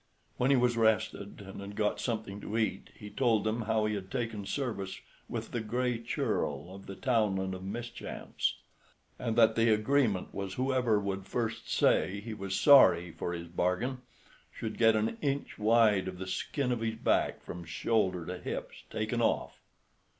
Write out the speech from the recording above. When he was rested and had got something to eat, he told them how he had taken service with the Gray Churl of the Townland of Mischance, and that the agreement was whoever would first say he was sorry for his bargain should get an inch wide of the skin of his back, from shoulder to hips, taken off.